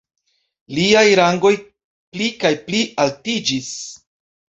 Liaj rangoj pli kaj pli altiĝis.